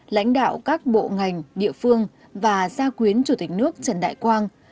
lãnh đạo các bộ ngành địa phương và gia quyến chủ tịch nước trần đại quang